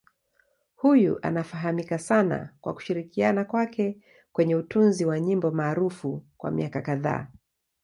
Huyu anafahamika sana kwa kushirikiana kwake kwenye utunzi wa nyimbo maarufu kwa miaka kadhaa.